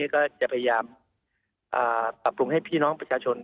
ก็จะพยายามปรับปรุงให้พี่น้องประชาชน